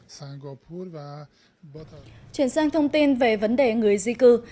chuyển sang thông tin về vấn đề người di cư